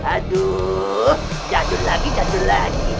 aduh jadul lagi jadul lagi